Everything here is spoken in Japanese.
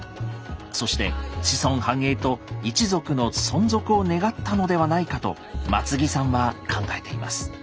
そして子孫繁栄と一族の存続を願ったのではないかと松木さんは考えています。